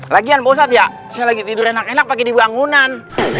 lagian bosan ya saya lagi tidur enak enak pergi di bangunan